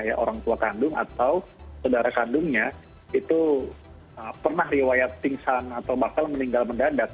ya orang tua kandung atau saudara kandungnya itu pernah riwayat pingsan atau bakal meninggal mendadak